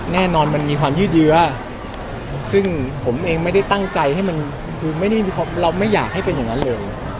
แน่นอนมันมีความยืดเหยือซึ่งผมเองไม่ได้ตั้งใจให้มันรอบไม่อยากให้เป็นอย่างนั้นเลย